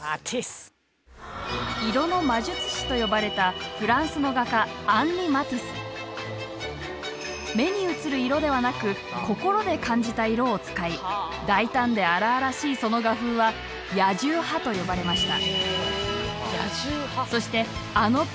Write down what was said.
「色の魔術師」と呼ばれたフランスの画家目に映る色ではなく心で感じた色を使い大胆で荒々しいその画風は「野獣派」と呼ばれました。